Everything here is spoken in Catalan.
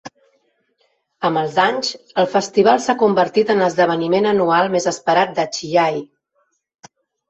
Amb els anys, el festival s'ha convertit en l'esdeveniment anual més esperat de Chiayi.